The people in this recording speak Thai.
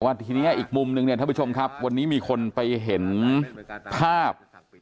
ทีเนี้ยอีกมุมนึงเนี่ยท่านผู้ชมครับวันนี้มีคนไปเห็นภาพ